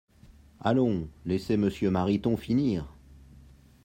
Allons, laissez Monsieur Mariton finir